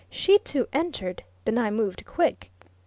She too entered. Then I moved quick.